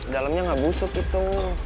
dalemnya ga busuk gitu